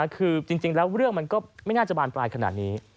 คือจริงแล้วเรื่องมันก็ไม่น่าจะบานปลายขนาดนี้